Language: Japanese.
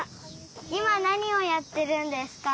いまなにをやってるんですか？